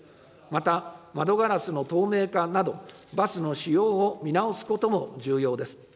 また、窓ガラスの透明化など、バスの仕様を見直すことも重要です。